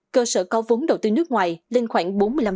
cơ sở có vốn đầu tư nước ngoài lên khoảng bốn mươi năm